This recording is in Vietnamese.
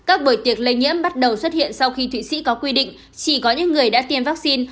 các buổi tiệc lây nhiễm bắt đầu xuất hiện sau khi thụy sĩ có quy định chỉ có những người đã tiêm vaccine